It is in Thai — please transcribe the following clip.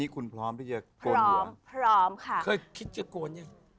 เคยคิดจะโกนยัง